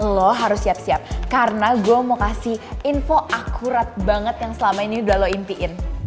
lo harus siap siap karena gue mau kasih info akurat banget yang selama ini udah lo impiin